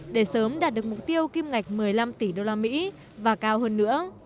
để sớm đạt được mục tiêu kim ngạch một mươi năm tỷ usd và cao hơn nữa